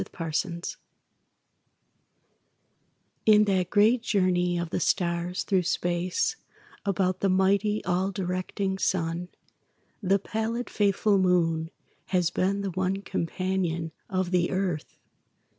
A SOLAR ECLIPSE In that great journey of the stars through space About the mighty, all directing Sun, The pallid, faithful Moon has been the one Companion of the Earth.